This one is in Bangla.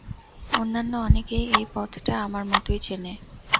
অন্যান্য অনেকেই এই পথটা আমার মতই চেনে।